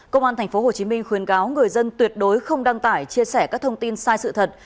công an tp hcm khuyến cáo người dân tuyệt đối không đăng tải chia sẻ các thông tin sai sự thật